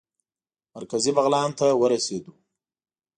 مرکزي بغلان ته ورسېدو.